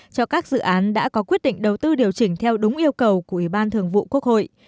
cho các dự án đã có quyết định đầu tư điều chỉnh theo đúng yêu cầu của ủy ban thường vụ quốc hội